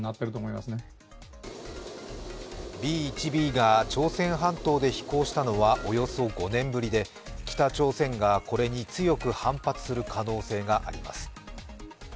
Ｂ−１Ｂが朝鮮半島で飛行したのは、およそ５年ぶりで、北朝鮮がこれに強く反発する可能性があります。